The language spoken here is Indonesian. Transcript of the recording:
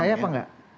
percaya apa enggak